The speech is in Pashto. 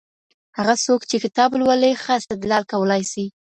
هغه څوک چي کتاب لولي، ښه استدلال کولای سي.